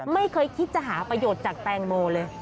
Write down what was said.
ไม่เคยคิดจะหาประโยชน์จากแตงโมเลย